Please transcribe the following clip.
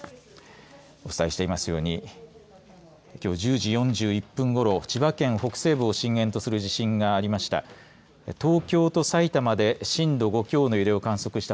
お伝えしていますようにきょう１０時４１分ごろ千葉県北西部を震源とする地震がありました。